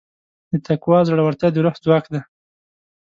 د تقوی زړورتیا د روح ځواک دی.